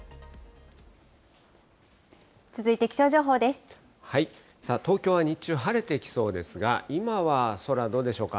続いて、東京は日中、晴れてきそうですが、今は空、どうでしょうか。